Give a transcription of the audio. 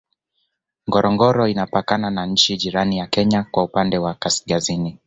Ngorongoro inapakana na nchi jirani ya Kenya kwa upande wa Kaskazini